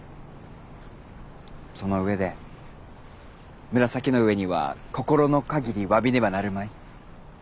その上で紫の上には心のかぎり詫びねばなるまい。